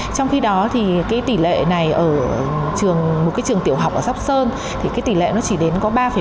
trong khi đó tỷ lệ này ở một trường tiểu học ở sóc sơn chỉ đến ba bảy